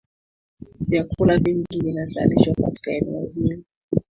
vyakula vingi vinazalishwa katika eneo hilo